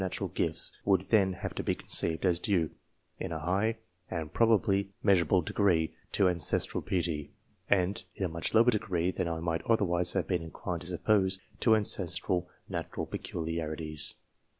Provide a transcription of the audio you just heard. Natural gifts would then have to be conceived as due, in a high and probably measurable degree, to ancestral piety, and, in a much lower degree than I might otherwise have been inclined to suppose, to ancestral natural peculiarities.